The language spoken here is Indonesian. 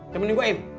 temenin gua im